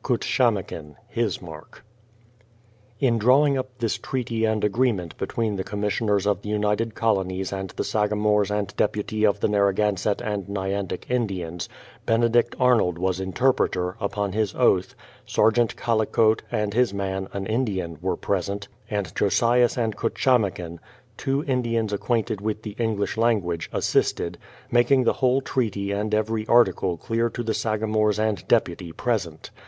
EATON CUTSHAMAKIN his mark STEPHEN GOODYEAR In dravt'ing up this treaty and agreement between the commissioners of the United Colonies and the sagamores and deputy of the Narragansett and Nyantick Indians, Benedict Arnold was interpreter, upon his oath ; Sergeant Callicote, and his man, an Indian, were present ; and Josias and Cutshamakin, two Indians acquainted with the English language, assisted, — making the whole treaty and every article clear to the sagamores and deputy present.